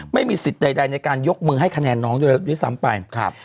ไม่มีสิทธิ์ใดในการยกมือให้คะแนนน้องด้วยซ้ำไป